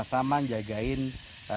bisa dipercaya oleh negara secara bersama sama